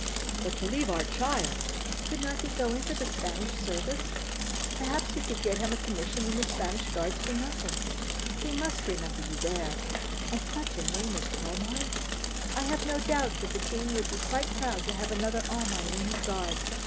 'But to leave our child!' 'Could not he go into the Spanish service? Perhaps you could get a commission in the Spanish Guards for nothing. They must remember you there. And such a name as Armine! I have no doubt that the king would be quite proud to have another Armine in his guard.